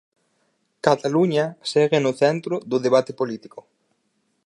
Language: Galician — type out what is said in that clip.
Cataluña segue no centro do debate político.